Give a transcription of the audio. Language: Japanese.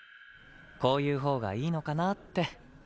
こういうほうがいいのかなって。